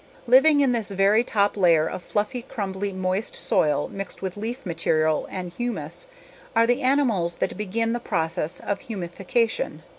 Living in this very top layer of fluffy, crumbly, moist soil mixed with leaf material and humus, are the animals that begin the process of humification.